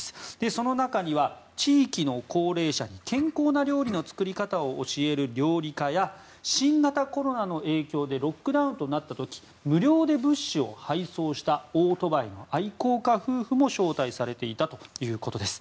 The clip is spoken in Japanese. その中には地域の高齢者に健康な料理の作り方を教える料理家や、新型コロナの影響でロックダウンとなった時無料で物資を配送したオートバイの愛好家夫婦も招待されていたということです。